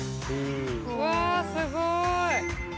うわすごい。